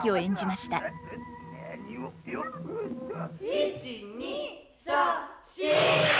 「１２３４！」。